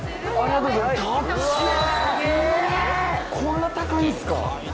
こんな高いんすか。